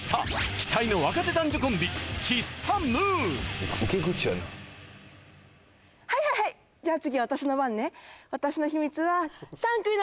期待の若手男女コンビはいはいはいじゃあ次私の番ねえっ